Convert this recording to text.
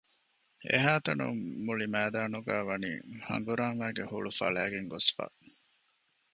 އެހައިތަނުން މުޅިމައިދާނުގައިވަނީ ހަނގުރާމައިގެ ހުޅުފަޅައިގެން ގޮސްފަ